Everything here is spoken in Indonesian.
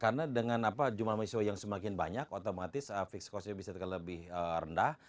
karena dengan jumlah misi mahasiswa yang semakin banyak otomatis fixed cost nya bisa lebih rendah